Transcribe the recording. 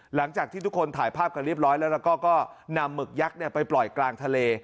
หลังจากที่ทุกคนถ่ายภาพกันเรียบร้อยแล้วแล้วก็นำหมึกยักษ์ไปปล่อยกลางทะเล